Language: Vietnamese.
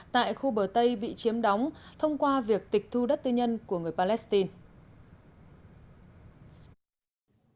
tại khu bờ tây bị chiếm đóng thông qua việc tịch thu đất tư nhân của người palestine